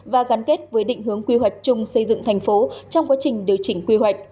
và gắn kết với định hướng quy hoạch chung xây dựng thành phố trong quá trình điều chỉnh quy hoạch